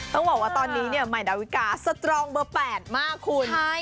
ต้องบอกว่าตอนนี้เนี่ยใหม่ดาวิกาสตรองเบอร์๘มากคุณ